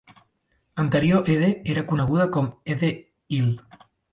Anterior Ede era coneguda com a Ede-Ile.